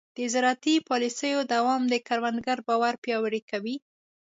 د زراعتي پالیسیو دوام د کروندګر باور پیاوړی کوي.